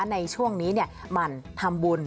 ในช่วงนี้หมั่นทำบุญ